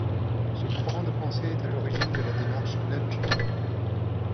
Ce courant de pensée est à l’origine de la démarche nudge.